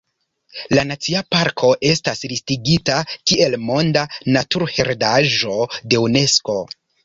La nacia parko estas listigita kiel Monda Naturheredaĵo de Unesko.